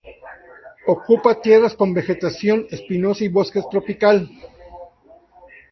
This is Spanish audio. Ocupa tierras con vegetación espinosa y bosque tropical.